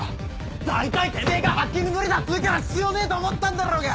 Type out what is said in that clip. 大体てめぇがハッキング無理だっつうから必要ねえと思ったんだろうが！